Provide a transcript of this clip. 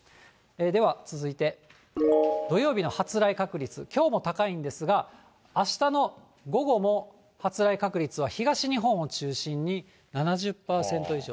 では、続いて、土曜日の発雷確率、きょうも高いんですが、あしたの午後も発雷確率は東日本を中心に７０％以上。